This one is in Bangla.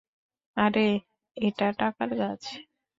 আরে এ্টা টাকার গাছ।